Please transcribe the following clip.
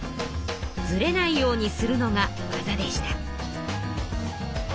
ずれないようにするのが技でした。